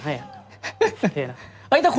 พี่แดงก็พอสัมพันธ์พูดเลยนะครับ